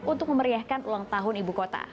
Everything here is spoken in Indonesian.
untuk memeriahkan ulang tahun ibu kota